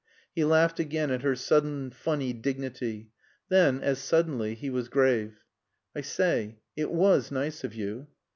He laughed again at her sudden funny dignity. Then, as suddenly, he was grave. "I say it was nice of you."